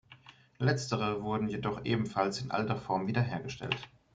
Letztere wurden jedoch ebenfalls in alter Form wiederhergestellt.